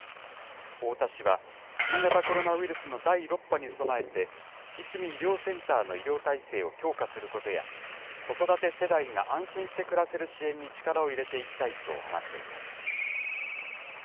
太田氏は新型コロナウイルスの第６波に備えて、いすみ医療センターの医療体制を強化することや、子育て世代が安心して暮らせる支援に力を入れていきたいと話しています。